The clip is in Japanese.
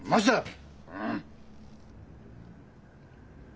うん。